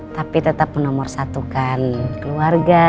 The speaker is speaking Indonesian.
tapi tetap menomor satukan keluarga